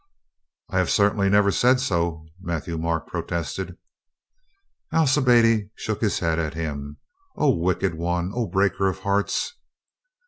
"I have certainly never said so," Matthieu Marc protested. Alcibiade shook his head at him. "O wicked one! O breaker of hearts!"